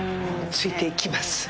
ついていきます。